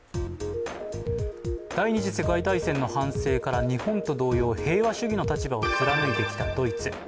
第二次世界大戦の反省から日本と同様、平和主義の立場を貫いてきたドイツ。